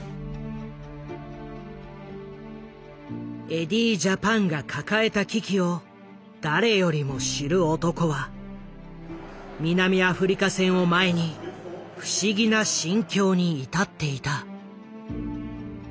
エディー・ジャパンが抱えた危機を誰よりも知る男は南アフリカ戦を前に不思議な心境に至っていた。